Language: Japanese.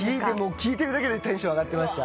聴いてるだけでテンション上がってました。